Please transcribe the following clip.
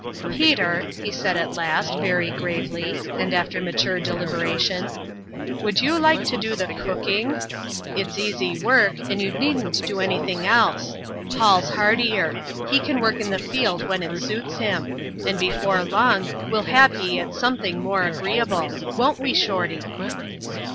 "Peter," said he at last — very gravely — and after mature deliberation, <* would you like to do the cooking f It's easy work ; and you needn't do any thing else. Paul's heartier; he can work in the field when it suits him ; and before long, we'll have ye at something more agreeable :— won't we, Shorty